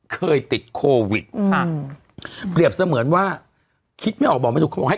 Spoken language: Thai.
เคยติดโควิดค่ะเปรียบเสมือนว่าคิดไม่ออกบอกไม่ถูกเขาบอกให้